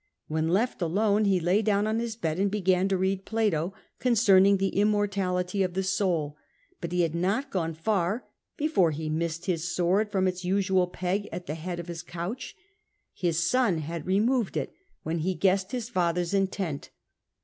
When left alone, he lay down on his bed and began to read Plato concerning the Immortality of the Soul ; but he had not gone far before he missed his sword from its usual neg at the head of his couch. His son had removed it when he guessed 232 CATO his father's intent.